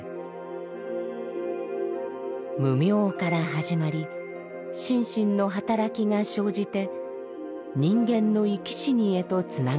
「無明」から始まり心身の働きが生じて人間の生き死にへとつながってゆく。